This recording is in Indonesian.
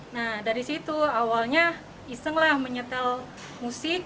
nah dari situ awalnya iseng lah menyetel musik